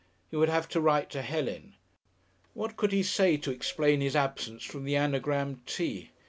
He would have to write to Helen. What could he say to explain his absence from the Anagram Tea?